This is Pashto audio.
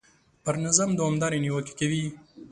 پر نظام دوامدارې نیوکې کوي.